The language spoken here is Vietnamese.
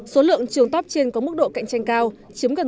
số lượng trường top trên có mức độ cạnh tranh cao chiếm gần một mươi